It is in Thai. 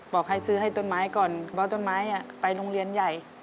บอกให้ซื้อให้ต้นไม้ก่อนเพราะต้นไม้ไปโรงเรียนใหญ่